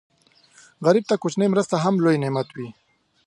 غریب ته کوچنۍ مرسته هم لوی نعمت وي